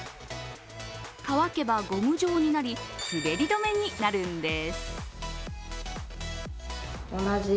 乾けばゴム状になり滑り止めになるんです。